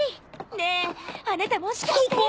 ねえあなたもしかして。